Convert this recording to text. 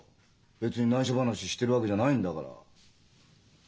別にないしょ話してるわけじゃないんだから。